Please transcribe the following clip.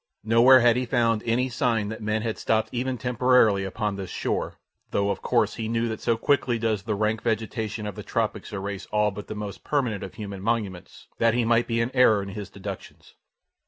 Nowhere had he found any sign that men had stopped even temporarily upon this shore, though, of course, he knew that so quickly does the rank vegetation of the tropics erase all but the most permanent of human monuments that he might be in error in his deductions.